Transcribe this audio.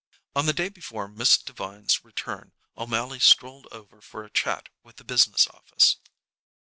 On the day before Miss Devine's return O'Mally strolled over for a chat with the business office.